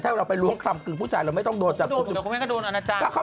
ถ้าเราไปล้วงคลำครึ่งผู้ชายเราไม่ต้องโดนจับผู้ชาย